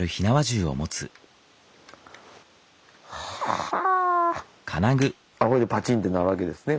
あっこれでパチンってなるわけですね。